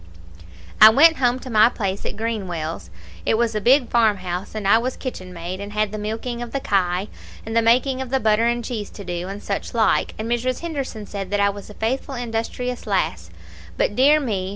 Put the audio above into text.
"I went home to my place at Greenwells. It was a big farmhouse, and I was kitchenmaid, and had the milking of the kye, and the making of the butter and cheese to do, and such like, and Mrs. Henderson said that I was a faithful industrious lass. But, dear me!